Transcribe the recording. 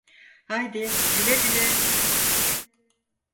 Haydi güle güle.